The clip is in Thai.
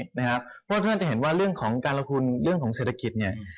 เพราะว่าท่านจะเห็นว่าเรื่องของการลงทุนเรื่องของเศรษฐกิจเนี่ย